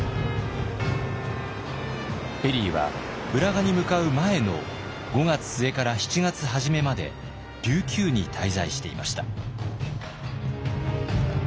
ペリーは浦賀に向かう前の５月末から７月初めまで琉球に滞在していました。